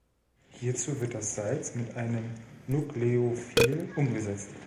Hierzu wird das Salz mit einem Nukleophil umgesetzt.